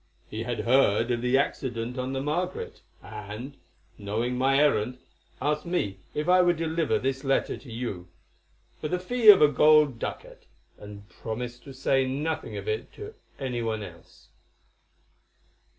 He had heard of the accident on the Margaret, and, knowing my errand, asked me if I would deliver this letter to you, for the fee of a gold ducat, and promise to say nothing of it to any one else."